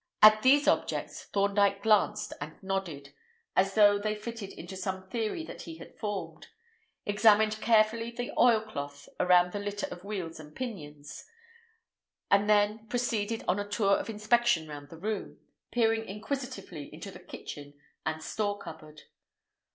At these objects Thorndyke glanced and nodded, as though they fitted into some theory that he had formed; examined carefully the oilcloth around the litter of wheels and pinions, and then proceeded on a tour of inspection round the room, peering inquisitively into the kitchen and store cupboard.